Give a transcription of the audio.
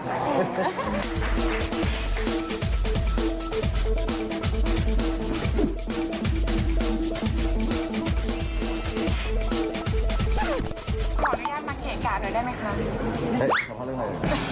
ขออนุญาตมาเกะกะหน่อยได้ไหมคะ